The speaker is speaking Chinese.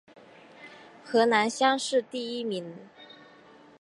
河南乡试第一名。